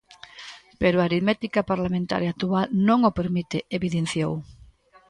Pero a aritmética parlamentaria actual non o permite, evidenciou.